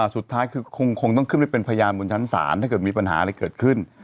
สุดท้ายคือคงต้องขึ้นไปเป็นพยานบนชั้นศาลถ้าเกิดมีปัญหาอะไรเกิดขึ้น